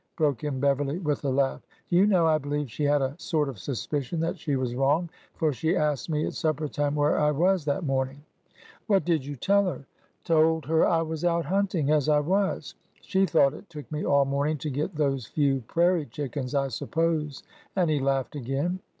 " broke in Beverly, with a laugh. '' Do you know, I believe she had a sort of suspicion that she was wrong, for she asked me at supper time where I was that morning." "What did you tell her?" " Told her I was out hunting, as I was. She thought it took me all morning to get those few prairie chickens, I suppose." And he laughed again.